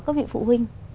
các vị phụ huynh